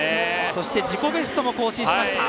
そして自己ベストも更新しました。